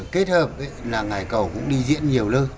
kết hợp ngãi cầu cũng đi diễn nhiều lơ